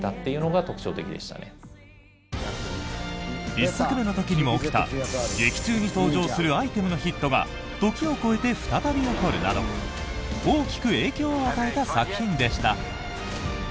１作目の時にも起きた劇中に登場するアイテムのヒットが時を超えて再び起こるなど大きく影響を与えた作品でした。